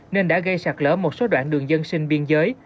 nên đã gây sạt lỡ một số đoạn đường dân sinh biên giới